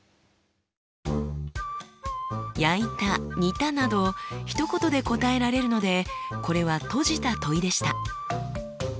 「焼いた」「煮た」などひとことで答えられるのでこれは閉じた問いでした。